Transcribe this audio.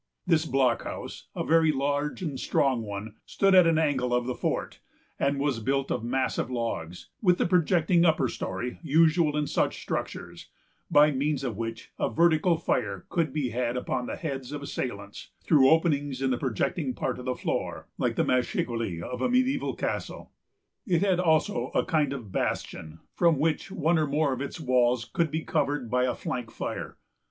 This blockhouse, a very large and strong one, stood at an angle of the fort, and was built of massive logs, with the projecting upper story usual in such structures, by means of which a vertical fire could be had upon the heads of assailants, through openings in the projecting part of the floor, like the machicoulis of a mediæval castle. It had also a kind of bastion, from which one or more of its walls could be covered by a flank fire.